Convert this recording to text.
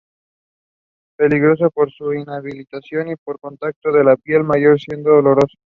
Peligroso por su inhalación y por contacto con la piel, mayor siendo oloroso.